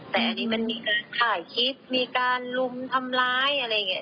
แต่อันนี้มันมีการถ่ายคลิปมีการลุมทำร้ายอะไรอย่างนี้